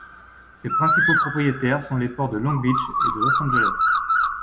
Ses principaux propriétaires sont les ports de Long Beach et de Los Angeles.